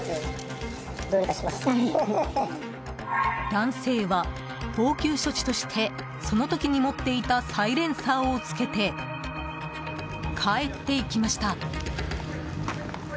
男性は、応急処置としてその時に持っていたサイレンサーをつけて帰っていきました。